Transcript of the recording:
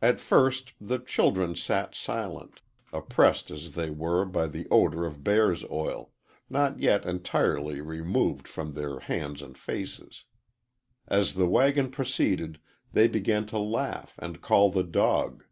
At first the children sat silent, oppressed as they were by the odor of bear's oil, not yet entirely removed from their hands and faces. As the wagon proceeded they began to laugh and call the dog.